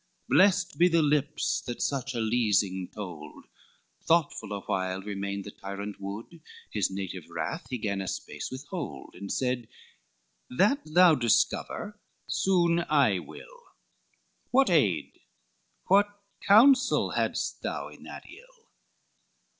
Blest be the lips that such a leasing told: Thoughtful awhile remained the tyrant wood, His native wrath he gan a space withhold, And said, "That thou discover soon I will, What aid? what counsel had'st thou in that ill?"